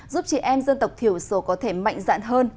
giúp chị em dân tộc thiểu số có thể mạnh dạn hơn